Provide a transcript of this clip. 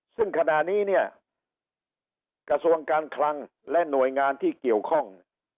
ซึ่งขณะนี้เนี่ยกระทรวงการคลังและหน่วยงานที่เกี่ยวข้อง